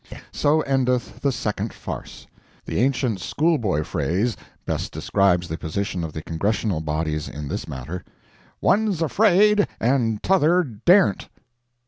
So endeth the second farce. The ancient school boy phrase best describes the position of the Congressional bodies in this matter: "One's afraid and 't'other dar'n't."